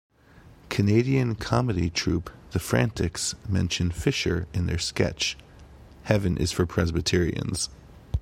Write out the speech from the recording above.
Canadian comedy troupe The Frantics mention Fisher in their sketch, "Heaven is for Presbyterians".